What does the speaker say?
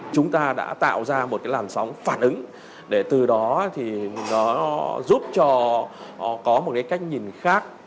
chúng ta đã tạo ra một cái làn sóng phản ứng để từ đó thì nó giúp cho có một cái cách nhìn khác